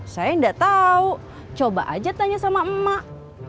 saya nggak tahu coba aja tanya sama emak